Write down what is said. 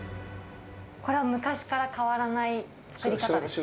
これは昔から変わらない作り方ですか？